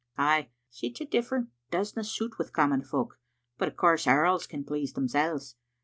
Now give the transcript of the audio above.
Ay, sic a differ doesna suit wi' common folk, but of course earls can please themsels.